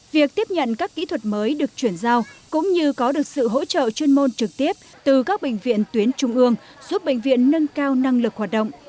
việc tiếp nhận các kỹ thuật mới được chuyển giao cũng như có được sự hỗ trợ chuyên môn trực tiếp từ các bệnh viện tuyến trung ương giúp bệnh viện nâng cao năng lực hoạt động